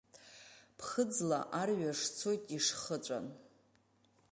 Ԥхыӡла арҩаш цоит ишхыҵәан.